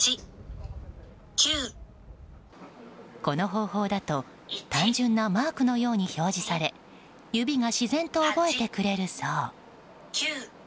この方法だと単純なマークのように表示され指が自然と覚えてくれるそう。